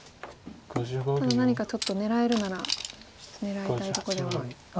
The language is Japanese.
ただ何かちょっと狙えるなら狙いたいとこでは。